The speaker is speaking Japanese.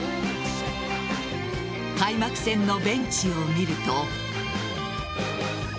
開幕戦のベンチを見ると。